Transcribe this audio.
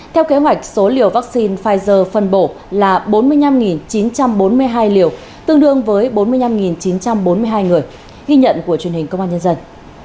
theo kế hoạch số liều vaccine pfizer phân bổ là bốn mươi năm chín trăm bốn mươi hai liều tương đương với bốn mươi năm chín trăm bốn mươi hai người ghi nhận của truyền hình công an nhân dân